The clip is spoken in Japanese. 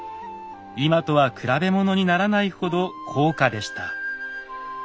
今とは比べものにならないほど高価でした。